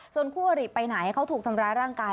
ส่วนคู่อริไปไหนเขาถูกทำร้ายร่างกาย